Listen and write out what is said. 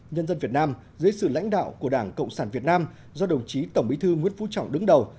nhân dân việt nam dưới sự lãnh đạo của đảng cộng sản việt nam do đồng chí tổng bí thư nguyễn phú trọng đứng đầu